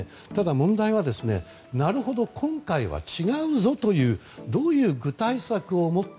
問題はなるほど今回は違うぞというどういう具体策をもって